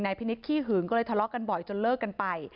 นายพี่นิดขี้หืนก็เลยทะเลาะกันบ่อยจนเลิกกันไป